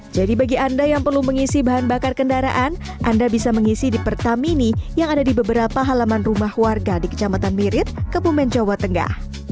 jadi bagi anda yang perlu mengisi bahan bakar kendaraan anda bisa mengisi di pertamini yang ada di beberapa halaman rumah warga di kecamatan mirit kebumen jawa tengah